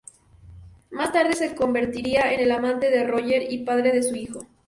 Más tarde se convertiría en el amante de Royer y padre de su hijo.